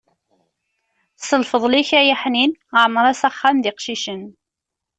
S lfeḍl-ik ay aḥnin, ɛemr-as axxam d iqcicen.